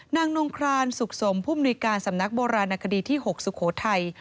นางนงครานสุขสมผู้มนุยการสำนักโบราณคดีที่๖สุโขทัย